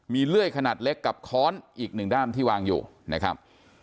มีเลื่อยขนาดเล็กกับค้อนอีกหนึ่งด้ามที่วางอยู่นะครับ